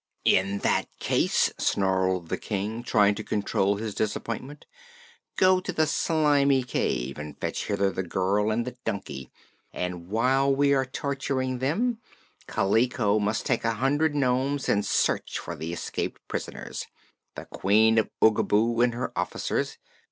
"In that case," snarled the King, trying to control his disappointment, "go to the Slimy Cave and fetch hither the girl and the donkey. And while we are torturing them Kaliko must take a hundred nomes and search for the escaped prisoners the Queen of Oogaboo and her officers.